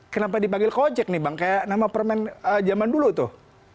kenapa dipanggil kojek nih bang kayak nama permen zaman dulu tuh